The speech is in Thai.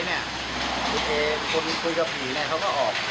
คนฟื้นกับหิแกออกค่ะ